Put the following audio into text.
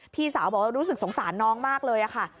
พี่สาวบอกว่ารู้สึกสงสารน้องมากเลยค่ะ